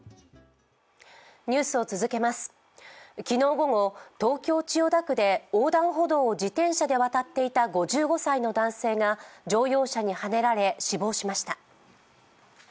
昨日午後、東京・千代田区で横断歩道を自転車で渡っていた５５歳の男性が乗用車にはねられ死亡しました。